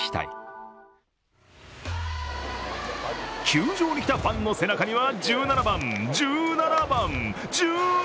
球場に来たファンの背中には１７番、１７番、１７番！